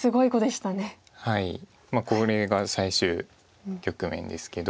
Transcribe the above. これが最終局面ですけど。